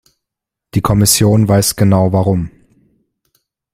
Die Kommission weiß genau warum.